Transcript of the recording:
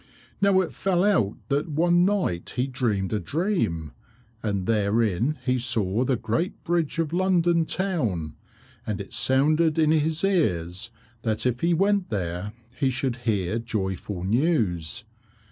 Now it fell out that one night he dreamed a dream, and therein he saw the great bridge of London town, and it sounded in his ears that if he went there he should hear joyful news.